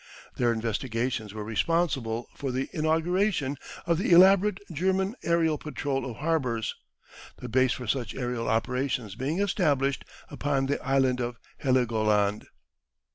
Their investigations were responsible for the inauguration of the elaborate German aerial patrol of harbours, the base for such aerial operations being established upon the island of Heligoland.